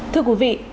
thưa quý vị